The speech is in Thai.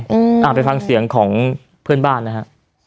อืมอ่าไปฟังเสียงของเพื่อนบ้านนะฮะ